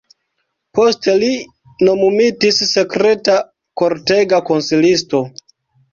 Poste li nomumitis sekreta kortega konsilisto.